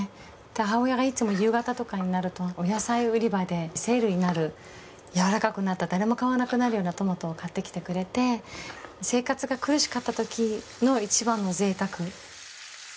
母親がいつも夕方とかになるとお野菜売り場でセールになるやわらかくなった誰も買わなくなるようなトマトを買ってきてくれて生活が苦しかったときのいちばんのぜいたく。